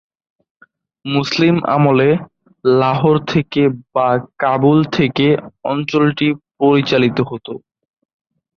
মুসলিম আমলে, লাহোর থেকে বা কাবুল থেকে অঞ্চলটি পরিচালিত হতো।